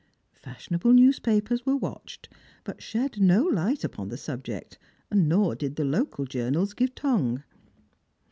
Fashionable newspapers were watched, but shed no light ^\pon the subject, nor did the local journals give tongue.